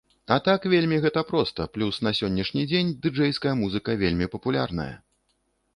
А так вельмі гэта проста, плюс, на сённяшні дзень дыджэйская музыка вельмі папулярная.